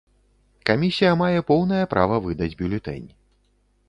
Камісія мае поўнае права выдаць бюлетэнь.